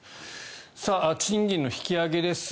賃金の引き上げです。